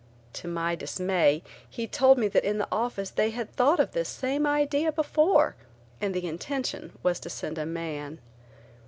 To my dismay he told me that in the office they had thought of this same idea before and the intention was to send a man.